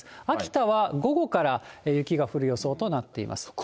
秋田は午後から雪が降る予想となっています。